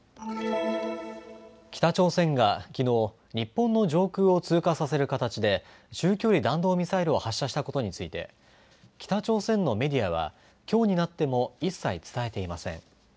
北朝鮮がきのう日本の上空を通過させる形で中距離弾道ミサイルを発射したことについて北朝鮮のメディアはきょうになっても一切伝えていません。